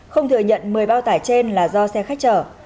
không thừa nhận một mươi bao tải trên là do xe khách chở